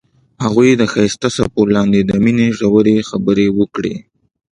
هغوی د ښایسته څپو لاندې د مینې ژورې خبرې وکړې.